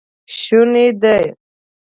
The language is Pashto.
شونی دی